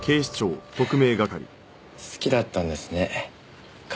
好きだったんですね会社が。